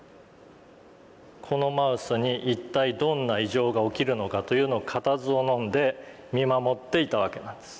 このマウスに一体どんな異常が起きるのかというのを固唾をのんで見守っていたわけなんです。